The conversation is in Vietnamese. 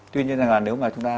tuy nhiên là nếu mà chúng ta